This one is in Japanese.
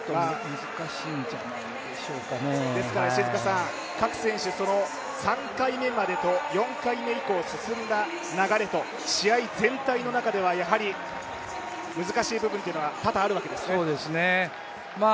ですから各選手、３回目までと４回目以降、進んだ流れと、試合全体の中では難しい部分が多々あるわけですね。